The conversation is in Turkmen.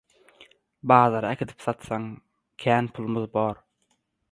Bazara äkidip satsak, kän pulumyz bor.